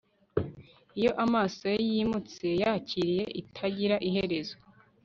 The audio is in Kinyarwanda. iyo amaso ye yimutse yakiriye itagira iherezo